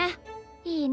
いいね！